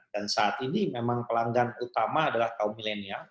dan saat ini memang pelanggan utama adalah kaum pelanggan